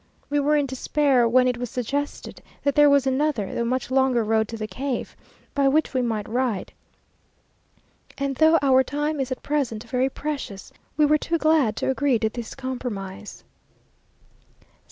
We were in despair, when it was suggested that there was another, though much longer road to the cave, by which we might ride; and though our time is at present very precious, we were too glad to agree to this compromise.